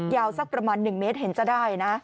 สักประมาณ๑เมตรเห็นจะได้นะ